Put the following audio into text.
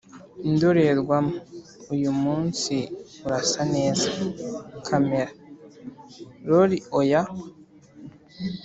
indorerwamo: “uyu munsi urasa neza.” kamera: “lol, oya.”